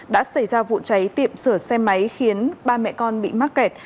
đã xảy ra vụ cháy tiệm sửa xe máy khiến ba mẹ con bị mắc kẹt